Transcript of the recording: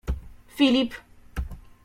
Filip.